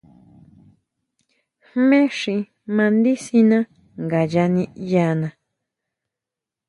Jmé xi mandisina ngayá niʼyaná.